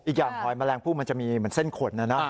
อีกอย่างหอยแมลงผู้มันจะมีเส้นขน